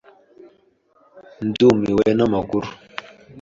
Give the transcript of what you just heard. Ndumiwe namakuru.